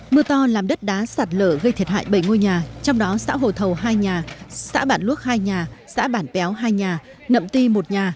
mưa to làm đất đá sạt lở gây thiệt hại bảy ngôi nhà trong đó xã hồ thầu hai nhà xã bản luốc hai nhà xã bản béo hai nhà nậm ti một nhà